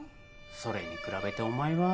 それに比べてお前は